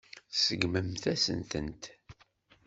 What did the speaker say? Tseggmemt-asen-tent.